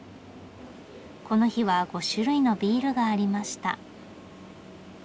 この日は５種類のビールがありました。